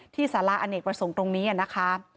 สาระอเนกประสงค์ตรงนี้นะคะ